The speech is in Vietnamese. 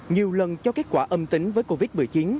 nhiều lần cho kết quả âm tính với covid một mươi chín